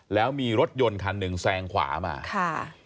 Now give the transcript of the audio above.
แล้วมีรถยนต์คันหนึ่งแซงขวามาค่ะ